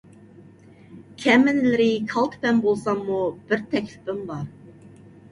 كەمىنىلىرى كالتە پەم بولساممۇ بىر تەكلىپىم بار.